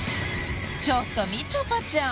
ちょっとみちょぱちゃん